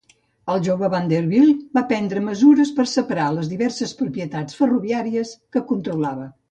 El jove Vanderbilt va prendre mesures per a separar les diverses propietats ferroviàries que controlava.